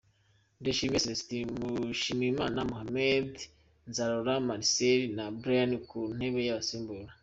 Ndayishimiye Celestin, Mushimiyimana Mohammed, Nzarora Marcel na Bryan ku ntebe y'abasimbura.